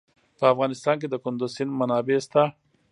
په افغانستان کې د کندز سیند منابع شته.